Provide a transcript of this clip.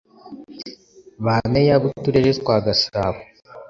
ba Meya b’uturere twa Gasabo